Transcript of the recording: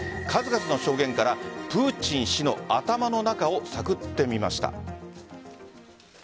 数々の証言からプーチン氏の頭の中を探ってみました。